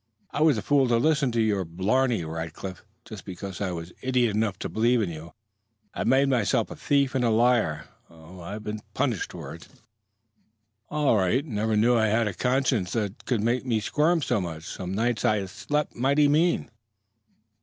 I was a fool to listen to your blarney, Rackliff. Just because I was idiot enough to believe in you, I made myself a thief and a liar. Oh, I've been punished for it, all right. Never knew I had a conscience that could make me squirm so much. Some nights I slept mighty mean."